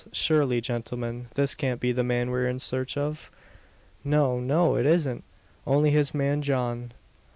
Surely, gentlemen, this can't be the man we're in search of?" "No, no! it isn't. Only his man John."